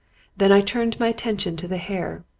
Then I turned my attention to the hair.